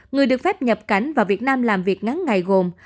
người được phép nhập cảnh vào việt nam làm việc ngắn ngày gồm